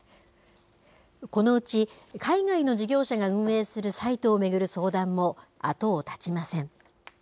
このうち海外の事業者が運営するサイトを巡る相談もあとを絶ちません。